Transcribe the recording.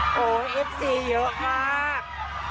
โอ้โฮเอฟซีเยอะมาก